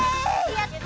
やった！